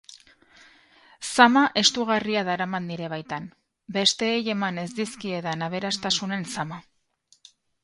Zama estugarria daramat nire baitan: besteei eman ez dizkiedan aberastasunen zama.